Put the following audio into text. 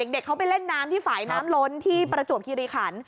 เด็กเขาไปเล่นน้ำที่ฝ่ายน้ำล้นที่ประจวบคิริขัน